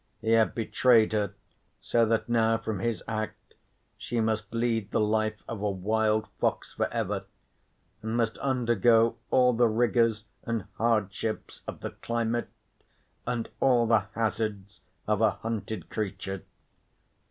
He had betrayed her so that now, from his act, she must lead the life of a wild fox for ever, and must undergo all the rigours and hardships of the climate, and all the hazards of a hunted creature.